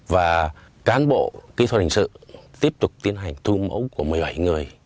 và cán bộ kỹ thuật hình sự tiếp tục tiến hành thu mẫu của một mươi bảy người